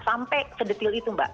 sampai sedetil itu mbak